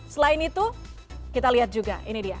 selain itu kita lihat juga ini dia